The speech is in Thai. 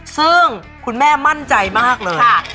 ซึ่งคุณแม่มั่นใจมากเลย